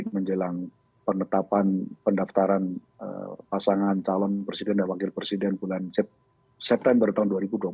menjelang penetapan pendaftaran pasangan calon presiden dan wakil presiden bulan september tahun dua ribu dua puluh satu